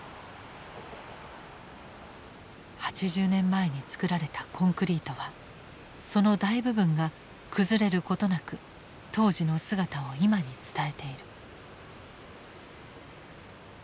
８０年前に造られたコンクリートはその大部分が崩れることなく当時の姿を今に伝えている。